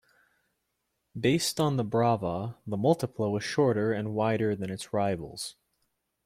Based on the Brava, the Multipla was shorter and wider than its rivals.